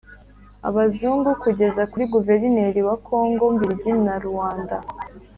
abazungu kugeza kuri guverineri wa kongo mbiligi na ruanda –